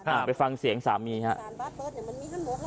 อ่านไปฟังเสียงสามีครับ